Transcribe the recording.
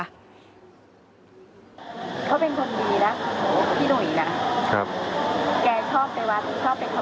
คือเขาไม่น่ามาตายอย่างนี้ไงคุณนี่ใช่อุบัติเหตุ